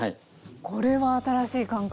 これは新しい感覚！